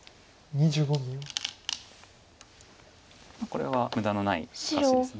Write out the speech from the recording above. これは無駄のない利かしです。